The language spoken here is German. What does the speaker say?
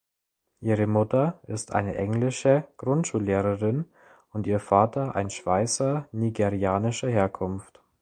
Ihre Mutter ist eine englische Grundschullehrerin und ihr Vater ein Schweißer nigerianischer Herkunft.